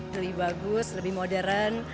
lebih bagus lebih modern